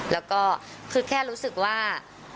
แล้วก็คือแค่รู้สึกว่า